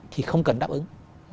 thì không cần đáp ứng